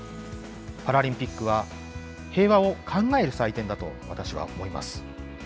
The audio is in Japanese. パラリンピックは、平和を考える祭典だと私は思います。